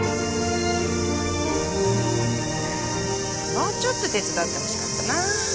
もうちょっと手伝ってほしかったな。